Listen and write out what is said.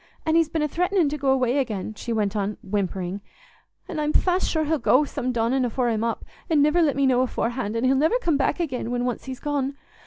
An' he's been a threatenin' to go away again," she went on, whimpering, "an' I'm fast sure he'll go some dawnin' afore I'm up, an' niver let me know aforehand, an' he'll niver come back again when once he's gone.